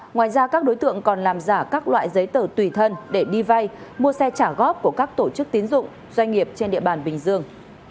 ngoài ra các đối tượng còn làm giả các loại giấy tờ tùy thân để đi vay mua xe trả góp của các tổ chức tín dụng doanh nghiệp trên địa bàn bình dương